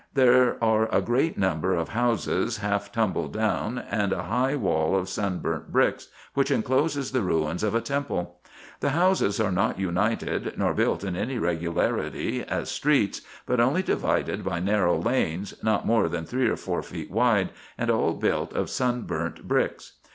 There are a great number of houses, half tumbled down, and a high wall of sun burnt bricks, which incloses the ruins of a temple. The houses are not united, nor built in any regularity as streets, but only divided by narrow lanes, not more than three or four feet wide, and all built of sun burnt bricks.